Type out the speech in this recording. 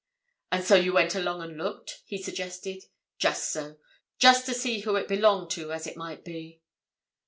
"And so you went along and looked?" he suggested. "Just so—just to see who it belonged to, as it might be."